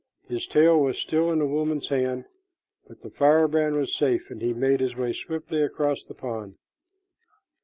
His tail was still in the woman's hand, but the firebrand was safe, and he made his way swiftly across the pond.